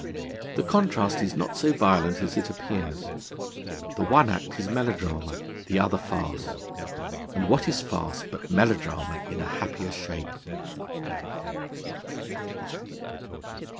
The contrast is not so violent as it appears. The one act is melodrama, the other farce. And what is farce, but melodrama in a happier shape?